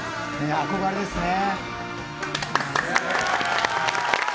憧れですね。